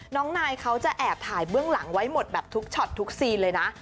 น้องนายเขาจะแอบถ่ายเบื้องหลังไว้หมดแบบทุกช็อตทุกซีนเลยนะ